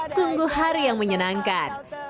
sungguh hari yang menyenangkan